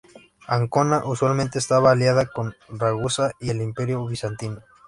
Ancona usualmente estaba aliada con Ragusa y el Imperio bizantino.